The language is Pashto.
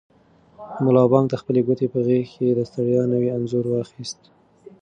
ملا بانګ د خپلې کوټې په غېږ کې د ستړیا نوی انځور وایست.